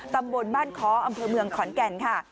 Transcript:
ตำบลบ้านค้ออำเภอเมืองขอนแก่นค่ะ